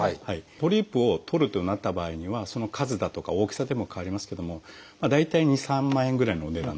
ポリープを取るとなった場合にはその数だとか大きさでも変わりますけども大体２３万円ぐらいのお値段だということですね。